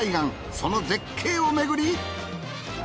その絶景をめぐり。